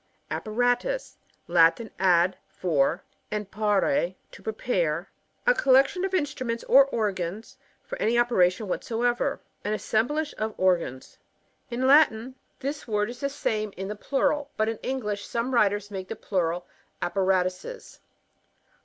Apparatus. — Latin, ad^ for, and patm are to prepare ; a collection or in struments or organs for any opera tion whatever. An assemblage o^ organs. In Latin this word is the dbyGoOgk 113 ORNITHOLOGY:— GLOSSARY. Mine in the plural— but in English tome writers make the plural, apparatuses.